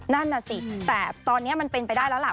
นั่นน่ะสิแต่ตอนนี้มันเป็นไปได้แล้วล่ะ